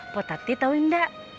potati tau gak